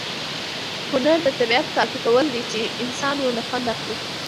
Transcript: هنر د طبیعت کاپي کول دي، چي انسانان ورنه خوند واخلي.